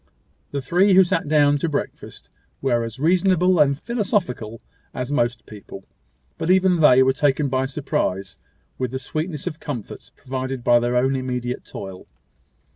The three who sat down to breakfast were as reasonable and philosophical as most people; but even they were taken by surprise with the sweetness of comforts provided by their own immediate toil.